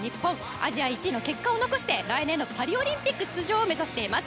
アジア１の結果を残して来年のパ・リーグオリンピック出場を目指しています。